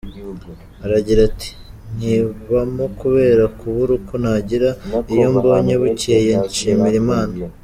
Aragira ati « Nyibamo kubera kubura uko nagira, iyo mbonye bucyeye nshimira Imana ».